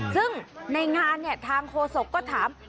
ซึ่งในงานทางโฆษก็ถาม